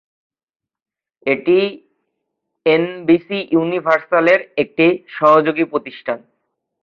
এটি এনবিসি ইউনিভার্সাল-এর একটি সহযোগী প্রতিষ্ঠান।